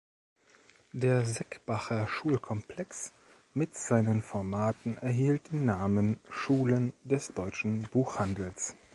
Der Seckbacher Schulkomplex mit seinen Formaten erhielt den Namen Schulen des Deutschen Buchhandels.